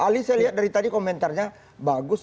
ali saya lihat dari tadi komentarnya bagus